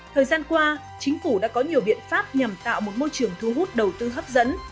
thời gian qua chính phủ đã có nhiều biện pháp nhằm tạo một môi trường thu hút đầu tư hấp dẫn